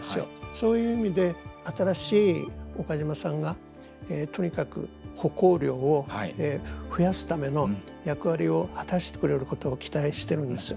そういう意味で新しい岡島さんがとにかく歩行量を増やすための役割を果たしてくれることを期待してるんですよ。